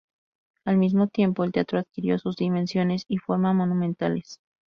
Al mismo tiempo, el teatro adquirió sus dimensiones y forma monumentales.